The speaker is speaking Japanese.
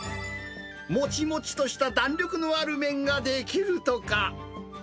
もちもちとした弾力のある麺が出来るとか。